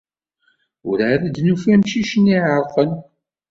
Werɛad d-nufi amcic-nni ay iɛerqen.